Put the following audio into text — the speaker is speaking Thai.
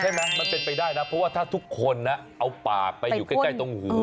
มันเป็นไปได้นะเพราะว่าถ้าทุกคนนะเอาปากไปอยู่ใกล้ตรงหู